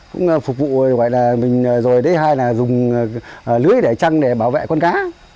cũng phục vụ rồi thứ hai là dùng lưới để trăng để bảo vệ con cá